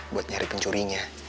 buat nyari pencurinya